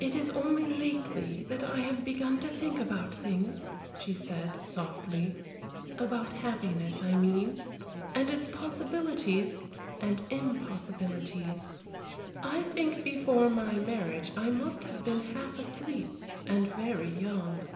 "It is only lately that I have begun to think about things," she said, softly "about happiness, I mean, and its possibilities and impossibilities. I think before my marriage I must have been half asleep, and very young."